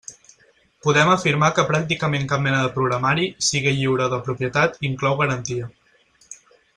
Podem afirmar que pràcticament cap mena de programari, sigui lliure o de propietat, inclou garantia.